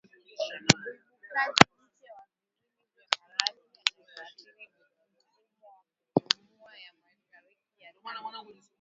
uibukaji mpya wa viini vya maradhi yanayoathiri mfumo wa kupumua ya Mashariki ya Kati